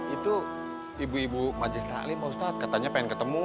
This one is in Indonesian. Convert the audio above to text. itu ibu ibu majlis taklim ustadz katanya pengen ketemu